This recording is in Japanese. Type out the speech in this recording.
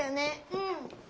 うん。